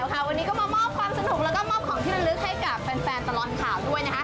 วันนี้ก็มามอบความสนุกแล้วก็มอบของที่ระลึกให้กับแฟนตลอดข่าวด้วยนะคะ